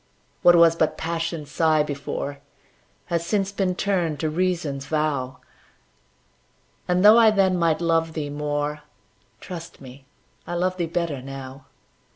What was but Passion's sigh before, Has since been turned to Reason's vow; And, though I then might love thee more, Trust me, I love thee better now.